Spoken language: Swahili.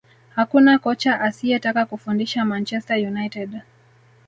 hakuna kocha asiyetaka kufundisha manchester united